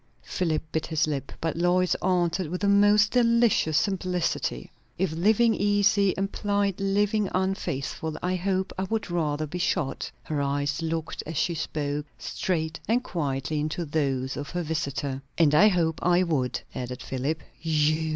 Philip bit his lip; but Lois answered with the most delicious simplicity, "If living easy implied living unfaithful, I hope I would rather be shot." Her eyes looked, as she spoke, straight and quietly into those of her visitor. "And I hope I would," added Philip. "_You?